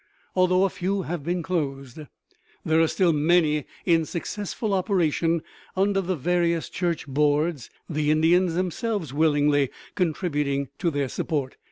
Although a few have been closed, there are still many in successful operation under the various church boards, the Indians themselves willingly contributing to their support.